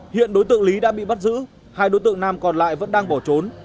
hiện đối tượng lý đã bị bắt giữ hai đối tượng nam còn lại vẫn đang bỏ trốn